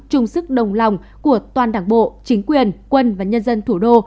chung sức đồng lòng của toàn đảng bộ chính quyền quân và nhân dân thủ đô